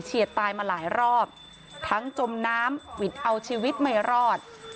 เชียดตายมาหลายรอบทั้งจมน้ำอาจจะเอาชีวิตไม่รอด